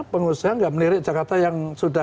pengusaha tidak menirik jakarta yang sudah